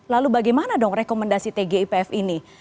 lalu bagaimana dong rekomendasi tgipf ini